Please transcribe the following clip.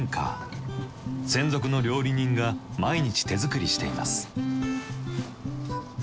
専属の料理人が毎日手作りしています。